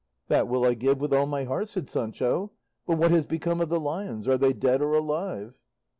"That will I give with all my heart," said Sancho; "but what has become of the lions? Are they dead or alive?"